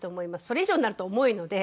それ以上になると重いので。